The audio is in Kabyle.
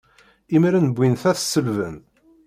Imiren wwin-t ad t-ṣellben.